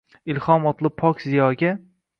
Ilhom otli pok ziyoga